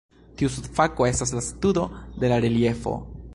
Tiu subfako estas la studo de la reliefo.